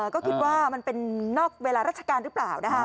ก็คิดว่ามันเป็นนอกเวลาราชการหรือเปล่า